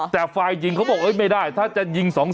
แต่ฝ่ายหญิงเขาบอกไม่ได้ถ้าจะยิง๒๐